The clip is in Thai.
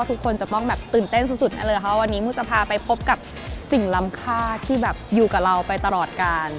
ทุกคนจะต้องแบบตื่นเต้นสุดให้เลยเพราะว่าวันนี้มูจะพาไปพบกับสิ่งลำค่าที่แบบอยู่กับเราไปตลอดการ